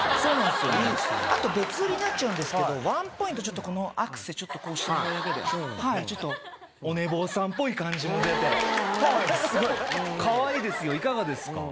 あと別売りになっちゃうんですけど、ワンポイント、ちょっとこのアクセ、ちょっとこうしてもらうだけで、ちょっとお寝坊さんっぽい感じも出て、すごい、かわいいですよ、いかがですか？